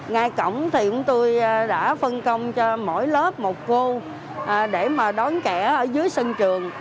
ngay cổng thì chúng tôi đã phân công cho mỗi lớp một cô để mà đón kẻ ở dưới sân trường